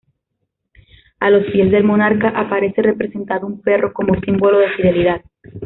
A los pies del monarca aparece representado un perro, como símbolo de fidelidad.